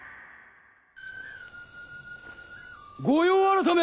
御用改め！